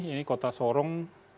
ini kota sorong